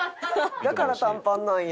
だから短パンなんや。